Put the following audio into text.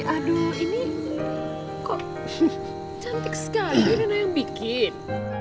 aduh ini kok cantik sekali yang bikin